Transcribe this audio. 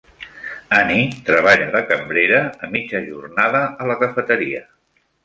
Annie treballa de cambrera a mitja jornada a la cafeteria.